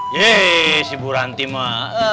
yeay si bu ranti mah